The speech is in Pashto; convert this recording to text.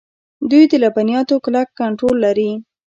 دوی د لبنیاتو کلک کنټرول لري.